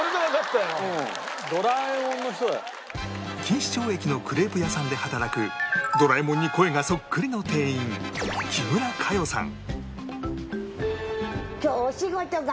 錦糸町駅のクレープ屋さんで働くドラえもんに声がそっくりの店員木村佳代さん